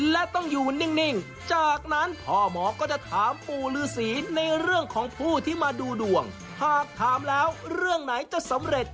และต้องอยู่นิ่งจากนั้นพ่อหมอก็จะถามปู่ฤษีในเรื่องของผู้ที่มาดูดวงหากถามแล้วเรื่องไหนจะสำเร็จ